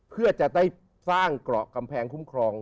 เพื่อจะได้สร้างเกราะกำแพงคุ้มครอง